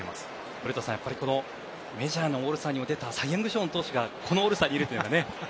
古田さん、メジャーのオールスターにも出たサイ・ヤング賞の投手がこのオールスターにいるというのが。